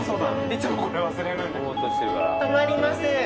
いつもこれ忘れる。